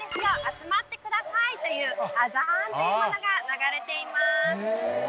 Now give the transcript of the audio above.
集まってくださいというアザーンというものが流れています